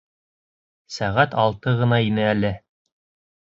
Сәғәт алты ғына ине әле.